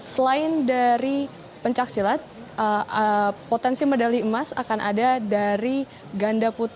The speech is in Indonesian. selain dari pencaksilat potensi medali emas akan ada dari ganda putra